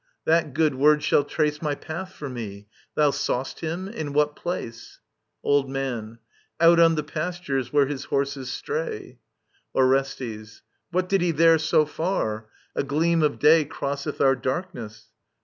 That good word shall trace My path for me ! Thou saw'st him ? In whaf place ? Digitized by VjOOQIC 40 EURIPIDES Old Man. Out on the pastures where his horses stray. Orestes. What did he there so far ?— ^A gleam of day Crosseth our darkness.